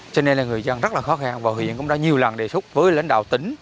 cho nên là người dân rất là khó khăn và huyện cũng đã nhiều lần đề xuất với lãnh đạo tỉnh